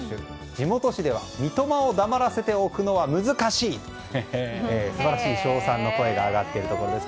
地元紙では三笘を黙らせておくのは難しいと素晴らしい賞賛の声が上がっているところです。